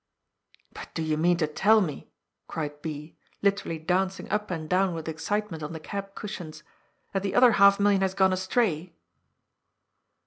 •^' But do yon mean to tell me," cried B., literally danc ing up and down with excitement on the cab cushions, *^ that the other half million has gone astiyy